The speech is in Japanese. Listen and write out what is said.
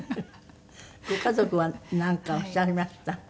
ご家族はなんかおっしゃいました？